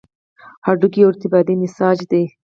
هډوکی یو ارتباطي نسج دی.